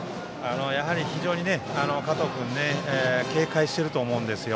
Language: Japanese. やはり非常に加藤君に警戒していると思うんです。